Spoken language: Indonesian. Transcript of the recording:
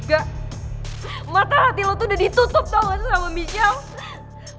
gak mata hati lo tuh udah ditutup tau aja sama mijam